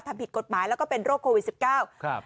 ทำผิดกฎหมายแล้วก็เป็นโรคโควิดสิบเก้าครับ